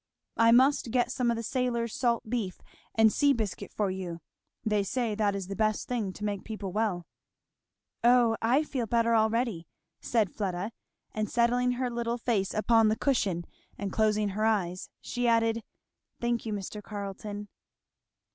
"I must get some of the sailors' salt beef and sea biscuit for you they say that is the best thing to make people well." "O I feel better already," said Fleda, and settling her little face upon the cushion and closing her eyes, she added, "thank you, Mr. Carleton!"